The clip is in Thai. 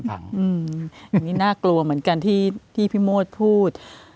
อย่างนี้น่ากลัวเหมือนกันที่พี่โมดพูด